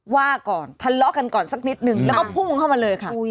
ว่าก่อนทะเลาะกันก่อนสักนิดนึงแล้วก็พุ่งเข้ามาเลยค่ะ